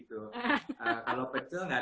kalau dikacauin itu dikacauin